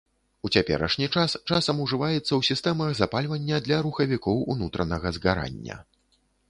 У цяперашні час часам ужываецца ў сістэмах запальвання для рухавікоў унутранага згарання.